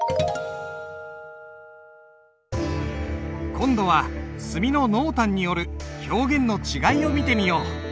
今度は墨の濃淡による表現の違いを見てみよう。